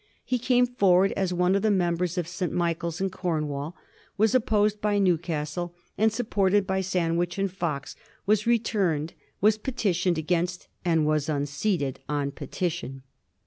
He came forward as one of the members for St. Michael's in Cornwall, was opposed by Newcastle, and supported by Sandwich and Fox, was returned, was petitioned against, and was unseated on petition.